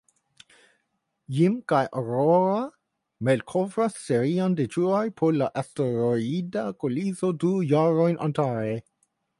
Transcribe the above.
Jim kaj Aurora malkovras serion de truoj pro la asteroida kolizio du jarojn antaŭe.